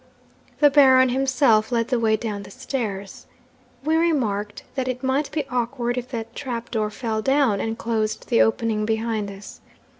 The Baron himself led the way down the stairs. We remarked that it might be awkward if that trap door fell down and closed the opening behind us.